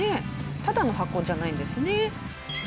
ただの箱じゃないんですね。